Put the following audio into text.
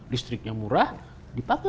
listriknya murah dipakai